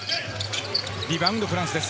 リバウンド、フランスです。